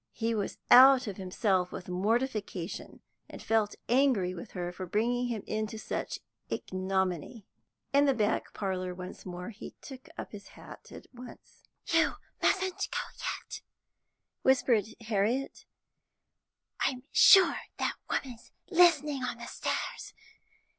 He was out of himself with mortification; and felt angry with her for bringing him into such ignominy. In the back parlour once more, he took up his hat at once. "You mustn't go yet," whispered Harriet. "I'm sure that woman's listening on the stairs.